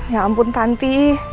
ya ampun tanti